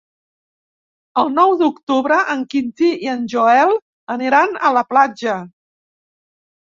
El nou d'octubre en Quintí i en Joel aniran a la platja.